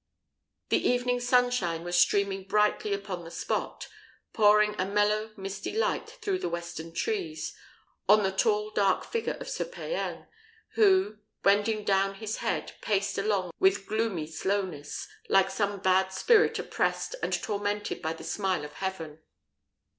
The evening sunshine was streaming brightly upon the spot, pouring a mellow misty light through the western trees, on the tall dark figure of Sir Payan, who, bending down his head, paced along with gloomy slowness, like some bad spirit oppressed and tormented by the smile of heaven.